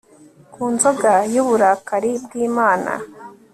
ku nzoga y uburakari bw Imana